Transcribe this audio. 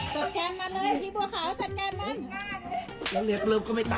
จัดแจ๊งมาเลยพี่บัวขาวจัดแจ๊งมา